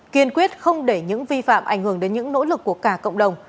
kiên quyết không để những vi phạm ảnh hưởng đến những nỗ lực của cả cộng đồng